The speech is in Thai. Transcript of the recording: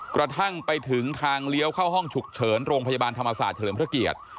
กระทั่งไปถึงทางเลี้ยวเข้าห้องฉุกเฉินโรงพยาบาลธรรมศาสตร์เฉลิมพระเกียรติ